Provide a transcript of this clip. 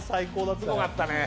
すごかったね。